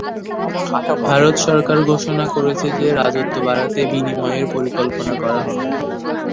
ভারত সরকার ঘোষণা করেছে যে রাজস্ব বাড়াতে বিনিময়ের পরিকল্পনা করা হবে।